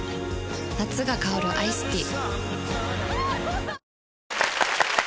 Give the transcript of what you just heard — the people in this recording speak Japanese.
夏が香るアイスティー